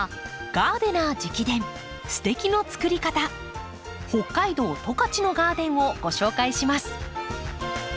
北海道十勝のガーデンをご紹介します。